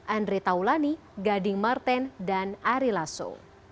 andre taulani gading marten dan ari lasso